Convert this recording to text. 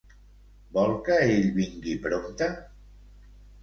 Vol que ell vingui prompte?